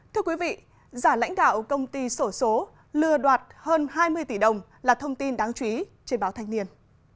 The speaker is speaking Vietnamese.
thưa quý vị giả lãnh đạo công ty sổ số lừa đoạt hơn hai mươi tỷ đồng là thông tin đáng chú ý trên báo thanh niên